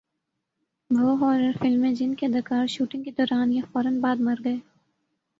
وہ ہارر فلمیں جن کے اداکار شوٹنگ کے دوران یا فورا بعد مر گئے